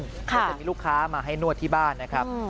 จะมีลูกค้ามาให้นวดที่บ้านนะครับ